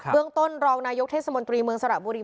เรื่องต้นรองนายกเทศมนตรีเมืองสระบุรี